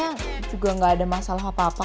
jangan juga gak ada masalah apa apa